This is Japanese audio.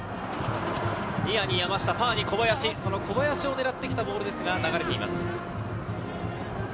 ニアに山下、ファーに小林、その小林を狙ってきたボールですが流れています。